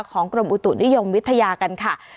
กรมอุตุนิยมวิทยากันค่ะ